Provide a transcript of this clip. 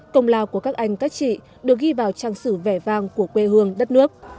công lao của các anh các chị được ghi vào trang sử vẻ vang của quê hương đất nước